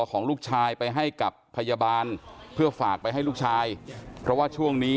ของลูกชายไปให้กับพยาบาลเพื่อฝากไปให้ลูกชายเพราะว่าช่วงนี้